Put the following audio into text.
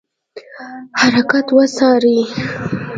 حرکات وڅاري.